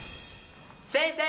先生！